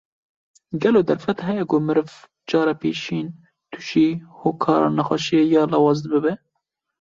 Gelo derfet heye ku mirov cara pêşîn tûşî hokara nexweşiyê ya lawaz bibe?